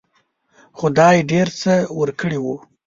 خدای ډېر څه ورکړي وو.